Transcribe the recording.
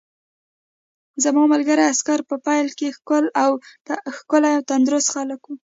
زما ملګري عسکر په پیل کې ښکلي او تندرست خلک وو